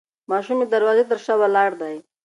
ماشوم د دروازې تر شا ولاړ دی.